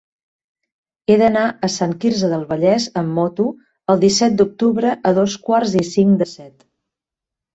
He d'anar a Sant Quirze del Vallès amb moto el disset d'octubre a dos quarts i cinc de set.